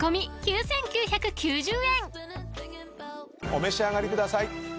お召し上がりください。